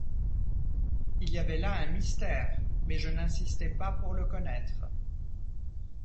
Il y avait là un mystère, mais je n’insistai pas pour le connaître.